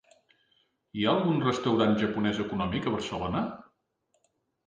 Hi ha algun restaurant japonès econòmic a Barcelona?